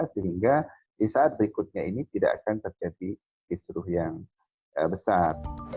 sehingga di saat berikutnya ini tidak akan terjadi kisruh yang besar